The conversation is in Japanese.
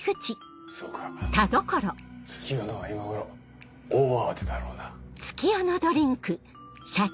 そうか月夜野は今頃大慌てだろうな。